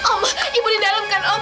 oh ibu di dalam kan om